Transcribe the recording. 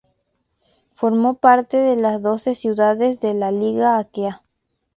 Formó parte de las doce ciudades de la Liga Aquea.